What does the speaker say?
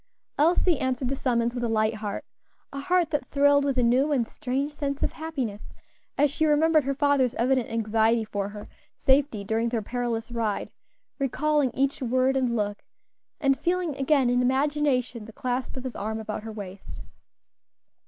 Elsie answered the summons with a light heart a heart that thrilled with a new and strange sense of happiness as she remembered her father's evident anxiety for her safety during their perilous ride, recalling each word and look, and feeling again, in imagination, the clasp of his arm about her waist.